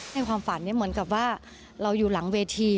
ในความฝันเหมือนกับว่าเราอยู่หลังเวที